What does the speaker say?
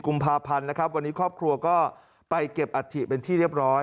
กุมภาพันธ์นะครับวันนี้ครอบครัวก็ไปเก็บอัฐิเป็นที่เรียบร้อย